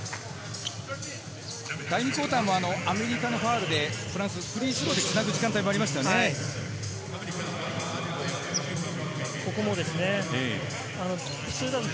第２クオーターはアメリカのファウルでフランス、フリースローでつなぐ時間帯もありましたね。